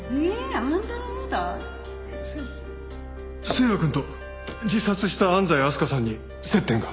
星也くんと自殺した安西明日香さんに接点が？